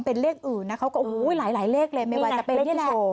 เป็นเลขอื่นนะเขาก็โอ้โหหลายหลายเลขเลยไม่ว่าจะเป็นเลขที่โชว์